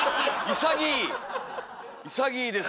潔いです。